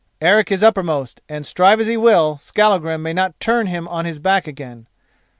Eric is uppermost, and, strive as he will, Skallagrim may not turn him on his back again.